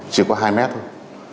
chỉ có hai mét thôi